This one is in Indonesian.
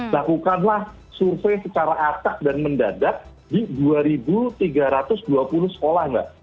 lakukanlah survei secara atak dan mendadak di dua tiga ratus dua puluh sekolah mbak